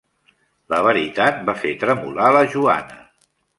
La veritat va fer tremolar la Joana.